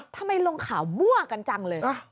ฮะทำไมลงข่าวมั่วกันจังเลย